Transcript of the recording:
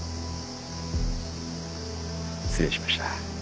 失礼しました。